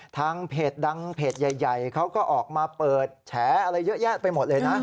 ทางเพจดังเพจใหญ่เขาก็ออกมาเปิดแฉอะไรเยอะแยะไปหมดเลยนะ